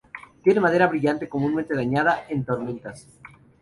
Tiene madera brillante, comúnmente dañada en tormentas.